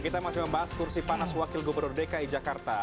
kita masih membahas kursi panas wakil gubernur dki jakarta